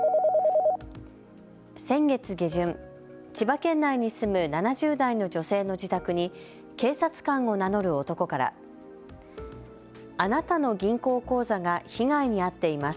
先月下旬、千葉県内に住む７０代の女性の自宅に警察官を名乗る男からあなたの銀行口座が被害に遭っています。